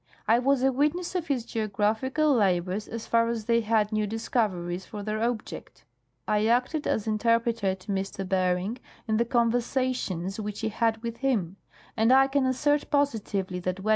I was a witness of his geographical labors as far as they had new discoveries for their object. I acted as in terpreter to M. Bering in the conversations which he had with him ; and I can assert positively that when M.